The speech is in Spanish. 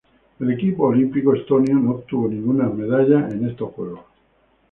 El equipo olímpico estonio no obtuvo ninguna medallas en estos Juegos.